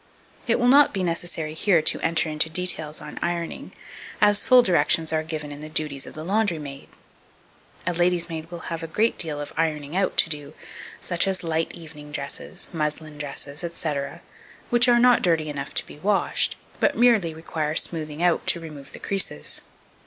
It will not be necessary here to enter into details on ironing, as full directions are given in the "Duties of the Laundry maid." A lady's maid will have a great deal of "Ironing out" to do; such as light evening dresses, muslin dresses, &c., which are not dirty enough to be washed, but merely require smoothing out to remove the creases.